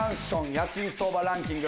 家賃相場ランキング